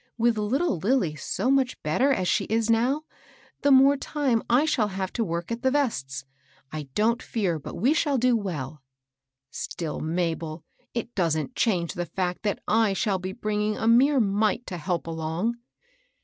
With little Lilly so much better as she is now, and the more time I shall have to work at the vests, I don't fear but we shall do welL" Still, Mabel, it doesn't change the &ct that I shall be bringing a mere mite to help along."